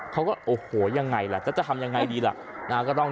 เขาก็โอ้โหยังไงล่ะจะทำยังไงดีล่ะ